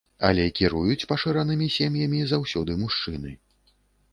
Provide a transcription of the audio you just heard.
Але кіруюць пашыранымі сем'ямі заўсёды мужчыны.